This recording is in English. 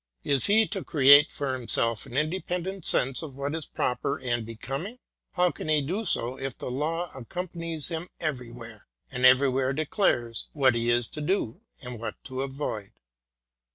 Is he to create for himself an independent sense of what is proper and becoming? How can he do so if the law accom panies him everywhere, and everywhere declares what he is to do and what to avoid?